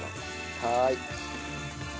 はい。